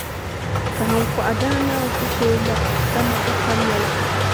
Kahiŋkɔɣu daa naan ku tooi la, dama o ka noli.